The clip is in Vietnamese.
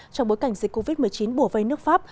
trong bối cảnh dịch covid một mươi chín bùa vây nước pháp